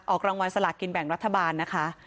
ออกรางวัลสลากินแบ่งรัฐบาลนะคะ